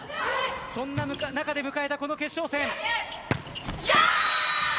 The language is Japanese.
そんな中で迎えた、この決勝戦。